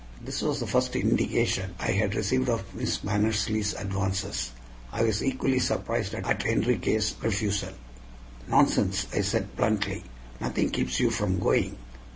This was the first indication I had received of Miss Mannersley's advances. I was equally surprised at Enriquez' refusal. "Nonsense!" I said bluntly. "Nothing keeps you from going."